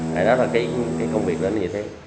thế đó là cái công việc của anh như thế